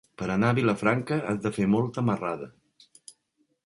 Per anar a Vilafranca has de fer molta marrada.